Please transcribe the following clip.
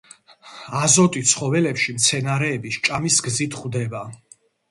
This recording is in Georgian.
აზოტი ცხოველებში მცენარეების ჭამის გზით ხვდება.